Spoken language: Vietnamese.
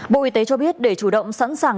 bộ y tế cho biết để chủ động sẵn sàng